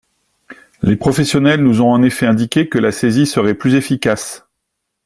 Les professionnels nous ont en effet indiqué que la saisie serait plus efficace.